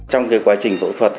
trong quá trình phẫu thuật